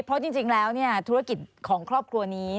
เพราะจริงแล้วธุรกิจของครอบครัวนี้